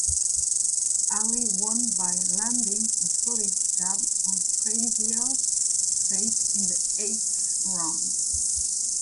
Ali won by landing a solid jab on Frazier's face in the eighth round.